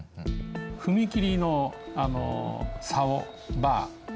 踏切のさおバー。